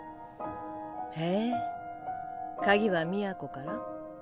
へえ鍵は都から？